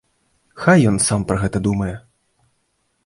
Хай ён сам пра гэта думае.